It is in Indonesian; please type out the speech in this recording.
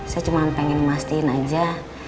saya cuma pengen masin aja